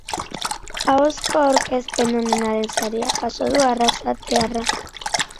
Ahozko aurkezpen onenaren saria jaso du arrasatearrak.